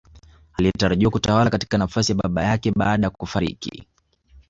Aliyetarajiwa kutawala katika nafasi ya baba yake baada ya kufariki